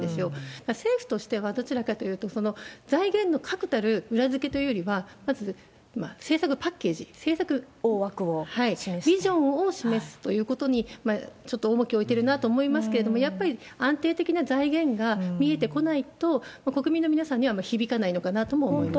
だから政府としては、どちらかというと、その財源の確たる裏付けというよりは、まず政策パッケージ、政策、ビジョンを示すということにちょっと重きを置いてるなと思いますけれども、やっぱり安定的な財源が見えてこないと、国民の皆さんには響かないのかなとも思います。